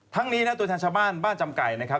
ทั้งนี้ส่วนแทนชาวบ้านบ้านจำไก่นะครับ